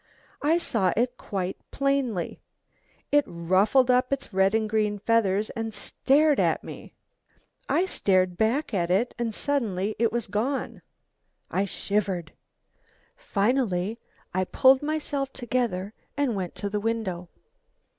I saw it quite plainly. It ruffled up its red and green feathers and stared at me. I stared back at it and suddenly it was gone. I shivered. Finally I pulled myself together and went to the window.